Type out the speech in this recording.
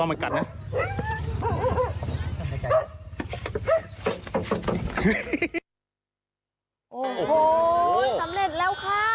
โอ้โหสำเร็จแล้วค่ะ